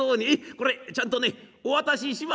これちゃんとねお渡ししますよ」。